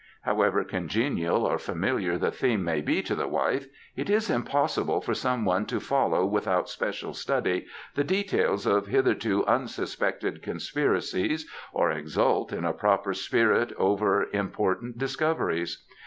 However congenial or famUiar the theme may be to the wife, it is impossible for anyone to follow without special study the details of hitherto unsuspected conspiracies, or exult in a proper spirit over important discoveries.